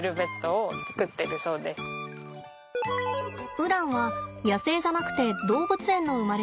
ウランは野生じゃなくて動物園の生まれです。